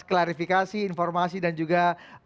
klarifikasi informasi dan juga